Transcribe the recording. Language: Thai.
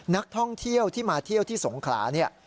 นักท่องเที่ยวที่มาเที่ยวที่สงขลาเนี่ย